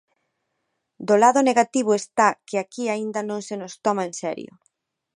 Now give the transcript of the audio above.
Do lado negativo está que aquí aínda non se nos toma en serio.